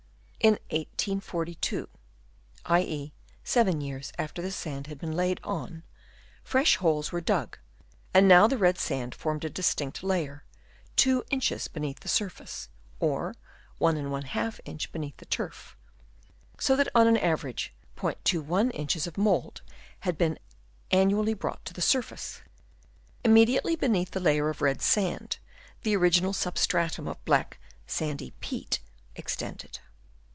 In 1842 (i.e., 7 years after the sand had been laid on) fresh holes were dug, and now the red sand formed a distinct layer, 2 inches beneath the surface, or 1^ inch beneath the turf; so that on an average, "21 inches of mould had been annu ally brought to the surface. Immediately beneath the layer of red sand, the original substratum of black sandy peat extended.